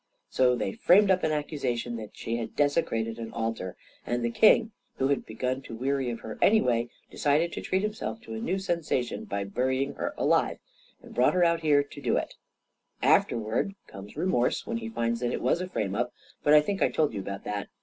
So they framed up an accusation that she had desecrated an altar; and the king, who had begun to weary of her any way, decided to treat himself to a new sensation by burying her alive, and brought her out here to do it Afterwards comes remorse, when he finds that it was a frame up — but I think I told you about that.